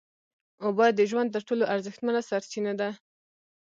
اوبه د ژوند تر ټولو ارزښتمنه سرچینه ده